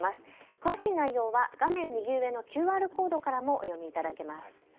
詳しい内容は画面右上のＱＲコードからもお読みいただけます。